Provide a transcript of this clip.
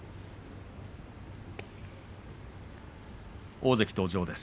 大関登場です。